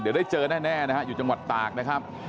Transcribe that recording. เดี๋ยวได้เจอแน่นะฮะอยู่จังหวัดตากนะครับ